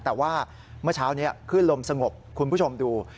แต่ว่าเมื่อเช้านี้ขึ้นลมสงบคุณผู้ชมดู